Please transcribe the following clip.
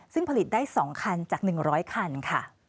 ซึ่งผลิตได้๒คันจาก๑๐๐คันค่ะ